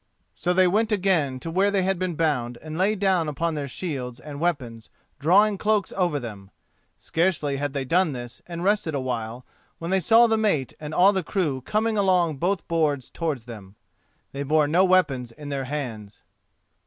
So they went again to where they had been bound, and lay down upon their shields and weapons, drawing cloaks over them. Scarcely had they done this and rested a while, when they saw the mate and all the crew coming along both boards towards them. They bore no weapons in their hands.